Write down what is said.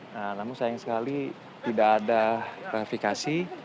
nah namun sayang sekali tidak ada klarifikasi